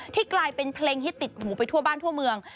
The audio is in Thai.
กลายเป็นเพลงฮิตติดหูไปทั่วบ้านทั่วเมือง